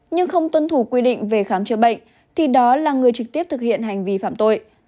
nhưng không tuân thủ quy định về khám chữa bệnh thì đó là người trực tiếp thực hiện hành vi phạm tội